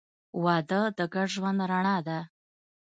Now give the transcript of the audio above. • واده د ګډ ژوند رڼا ده.